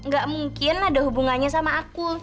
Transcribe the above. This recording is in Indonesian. gak mungkin ada hubungannya sama aku